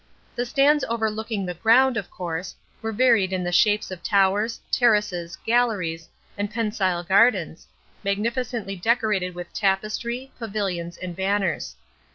The stands overlooking the ground, of course, were varied in the shapes of towers, terraces, galleries, and pensile gardens, magnificently decorated with tapestry, pavilions, and banners.